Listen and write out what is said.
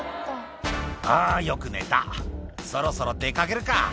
「あぁよく寝たそろそろ出かけるか」